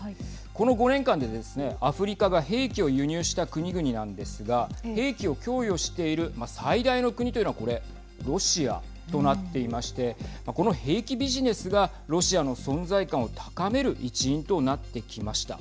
この５年間でですねアフリカが兵器を輸入した国々なんですが兵器を供与している最大の国というの、これロシアとなっていましてこの兵器ビジネスがロシアの存在感を高める一因となってきました。